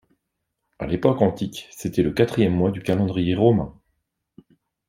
À l’époque antique, c’était le quatrième mois du calendrier romain.